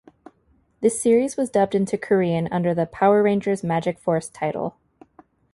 This series was dubbed into Korean under the "Power Rangers Magic Force" title.